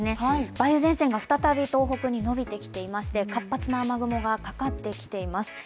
梅雨前線が再び東北に延びてきていまして、活発な雨雲がかかってきています。